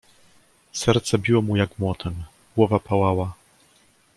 "Serce biło mu jak młotem, głowa pałała."